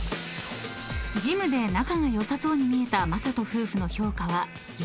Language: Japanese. ［ジムで仲が良さそうに見えた魔裟斗夫婦の評価は４］